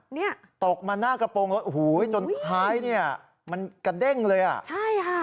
เนี่ยตกมาหน้ากระโปรงรถโอ้โหจนท้ายเนี่ยมันกระเด้งเลยอ่ะใช่ค่ะ